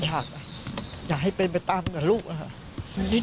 อยากอยากให้ไปตามกับลูกนะครับ